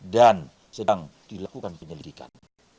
dan sedang dilakukan penyelidikan